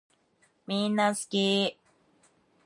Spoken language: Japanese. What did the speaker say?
みんなすき